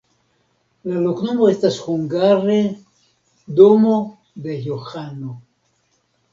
La loknomo estas hungare: domo de Johano.